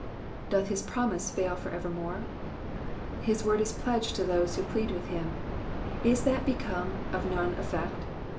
''Doth his promise fail for evermore T^ His word is pledged to those who plead with him ; is that become of none effect